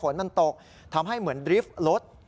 มีรถเก๋งแดงคุณผู้ชมไปดูคลิปกันเองนะฮะ